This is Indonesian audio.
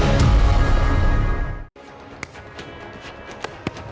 nah kita mulai